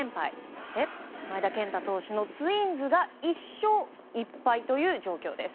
そして、前田健太投手のツインズが１勝１敗という状況です。